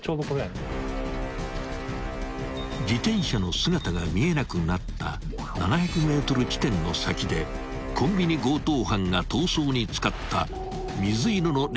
［自転車の姿が見えなくなった７００ｍ地点の先でコンビニ強盗犯が逃走に使った水色のレンタカーが映っていたのだ］